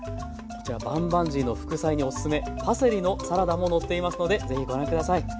こちらバンバンジーの副菜におすすめパセリのサラダも載っていますのでぜひご覧下さい。